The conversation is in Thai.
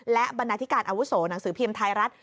และบรรณาธิการอาวุโสหนังสือพิมพ์ไทยรัฐ